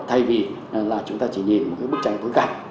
thay vì chúng ta chỉ nhìn một bức trạng tối cảnh